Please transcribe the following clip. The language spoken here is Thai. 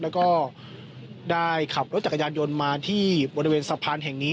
แล้วก็ได้ขับรถจักรยานยนต์มาที่บริเวณสะพานแห่งนี้